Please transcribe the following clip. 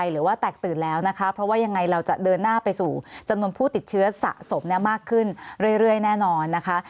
เรื่อยแน่นอนนะคะ